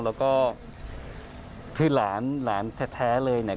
แล้วก็คือหลานหลานแท้เลยเนี่ย